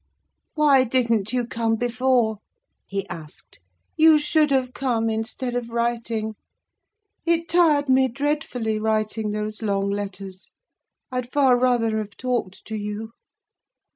"Why didn't you come before?" he asked. "You should have come, instead of writing. It tired me dreadfully writing those long letters. I'd far rather have talked to you.